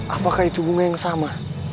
apakah itu bunga yang sama